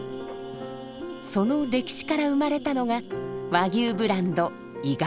その歴史から生まれたのが和牛ブランド伊賀牛。